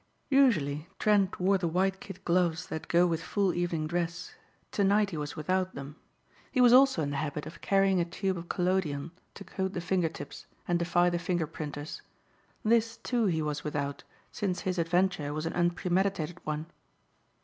Usually Parker wore the white kid gloves that go with full evening dress. To night he was without them. He was also in the habit of carrying a tube of collodion to coat the finger tips and defy the finger printers. This, too, he was without since his adventure was an unpremeditated one.